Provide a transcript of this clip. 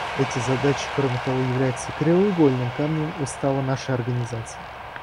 Эти задачи, кроме того, являются краеугольным камнем Устава нашей Организации.